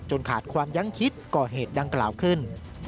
ขาดความยั้งคิดก่อเหตุดังกล่าวขึ้น